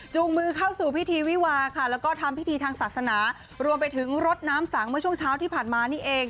มือเข้าสู่พิธีวิวาค่ะแล้วก็ทำพิธีทางศาสนารวมไปถึงรถน้ำสังเมื่อช่วงเช้าที่ผ่านมานี่เอง